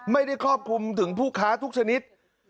ครอบคลุมถึงผู้ค้าทุกชนิด